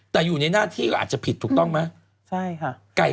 แต่อยู่ในหน้าที่ก็อาจจะผิดถูกต้องมั้ย